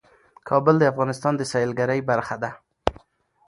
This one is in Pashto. کابل د افغانستان د سیلګرۍ برخه ده.